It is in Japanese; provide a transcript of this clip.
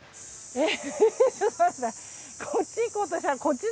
えっ！